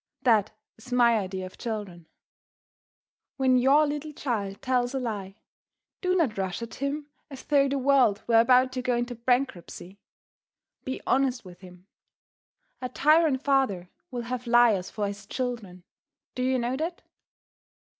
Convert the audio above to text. That is my idea of children. When your little child tells a lie, do not rush at him as though the world were about to go into bankruptcy. Be honest with him. A tyrant father will have liars for his children; do you know that?